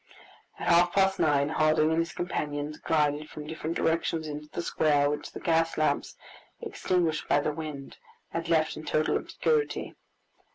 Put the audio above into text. At half past nine, Harding and his companions glided from different directions into the square, which the gas lamps, extinguished by the wind, had left in total obscurity.